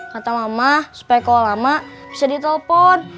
kata mama supaya kalau lama bisa ditelepon